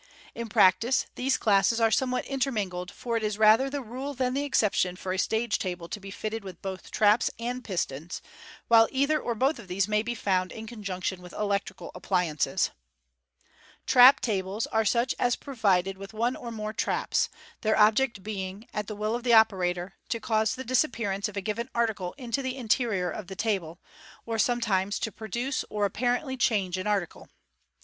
In practice, these classes are somewhat intermingled, for it is rather the rule than the exception for a stage table to be fitted with both traps and pistons, while either or both of these may be found in conjunction with electrical appliances. Trap tables are such as are provided with one or more " traps," their object being, at the will of the operator, to cause the disappear, ance of a given article into the interior of the table, or sometimes to produce or apparently change an article.